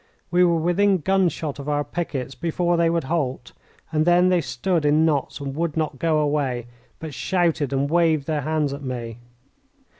We were within gunshot of our pickets before they would halt, and then they stood in knots and would not go away, but shouted and waved their hands at me.